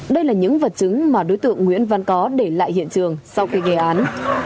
đây là những vật chứng mà đối tượng nguyễn văn có để lại hiện trường sau khi gây án